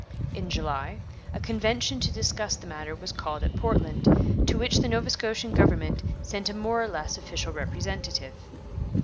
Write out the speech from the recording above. In July a convention to discuss the matter was called at Portland, to which the Nova Scotian government sent a more or less official representative.